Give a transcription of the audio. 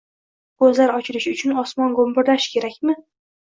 Ko‘zlar ochilishi uchun «osmon gumburlashi» kerakmi?